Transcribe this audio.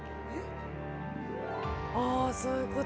あそういうこと？